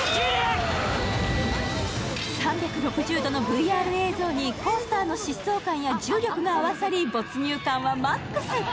３６０度のＶＲ映像にコースターの疾走感や重力が合わさり没入感はマックス！